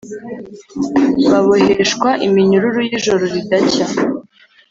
baboheshwa iminyururu y’ijoro ridacya,